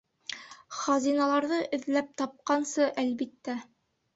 Хазиналарҙы эҙләп тапҡансы, әлбиттә.